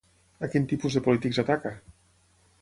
A quin tipus de polítics ataca?